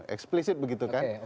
eksplisit begitu kan